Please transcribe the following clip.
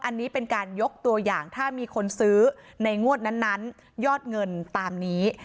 อันนี้เป็นการยกตัวอย่างถ้ามีคนซื้อในงวดนั้นยอดเงินตามนี้